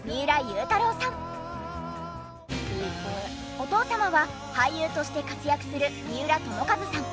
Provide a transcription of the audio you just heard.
お父様は俳優として活躍する三浦友和さん。